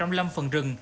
trong lâm phần rừng